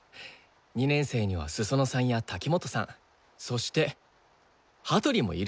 ２年生には裾野さんや滝本さんそして羽鳥もいるしね。